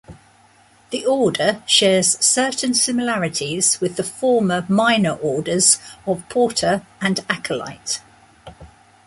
The Order shares certain similarities with the former Minor Orders of Porter and Acolyte.